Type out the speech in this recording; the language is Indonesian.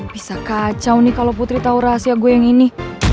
bisa kacau nih kalau putri tahu rahasia gue yang ini